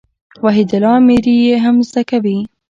وحيدالله اميري ئې هم زده کوي.